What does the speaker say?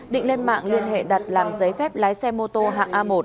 định lên mạng liên hệ đặt làm giấy phép lái xe mô tô hạng a một